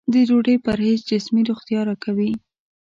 د ډوډۍ پرهېز جسمي روغتیا راکوي.